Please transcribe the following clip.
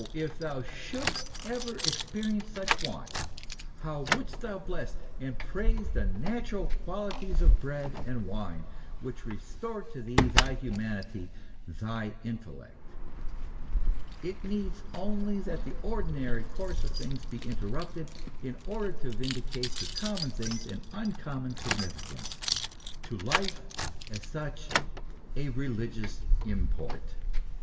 if thou shouldst ever experience such want, how wouldst thou bless and praise the natural qualities of bread and wine, which restore to thee thy humanity, thy intellect ! It needs only that the ordinary course of things be interrupted in order to vindi cate to common things an uncommon significance, to life, as such, a religious import.